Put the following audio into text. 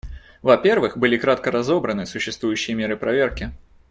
Во-первых, были кратко разобраны существующие меры проверки.